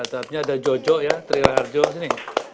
seharusnya ada jojo ya triharjo sini